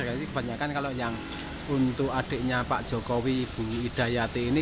jadi kebanyakan kalau yang untuk adiknya pak jokowi ibu hidayati ini